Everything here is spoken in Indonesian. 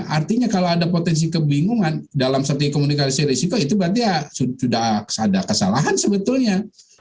artinya kalau ada potensi kebingungan dalam setiap komunikasi risiko itu berarti ya sudah ada kesalahan sebetulnya